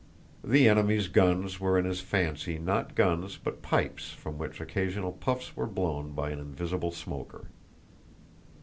The enemy's guns were in his fancy not guns but pipes from which occasional puffs were blown by an invisible smoker.